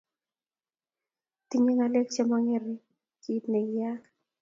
tinye ngalek che mo ngering rng kiit ne kiyaak